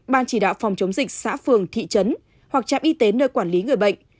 ban chỉ đạo phòng chống dịch xã phường thị trấn hoặc trạm y tế nơi quản lý người bệnh